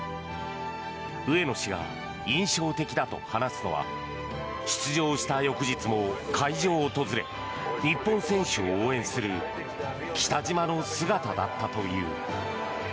上野氏が印象的だと話すのは出場した翌日も会場を訪れ日本選手を応援する北島の姿だったという。